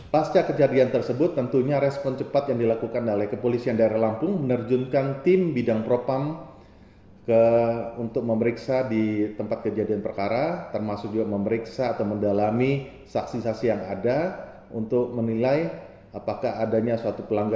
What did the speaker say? pasca kejadian tersebut tentunya respon cepat yang dilakukan oleh kepolisian daerah lampung